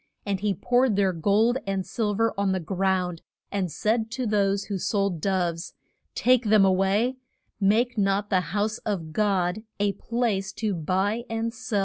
And he poured their gold and sil ver on the ground, and said to those who sold doves, Take them a way; make not the house of God a place to buy and sell in.